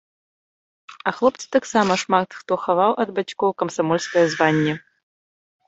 А хлопцы таксама шмат хто хаваў ад бацькоў камсамольскае званне.